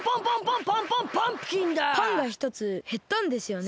パンがひとつへったんですよね？